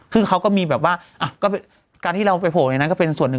คือเขาก็มีแบบว่าก็การที่เราไปโผล่ในนั้นก็เป็นส่วนหนึ่ง